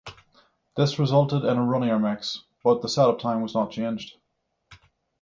This resulted in a runnier mix, but the set up time was not changed.